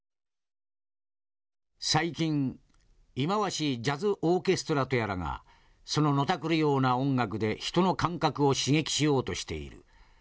「最近忌まわしいジャズ・オーケストラとやらがそののたくるような音楽で人の感覚を刺激しようとしている。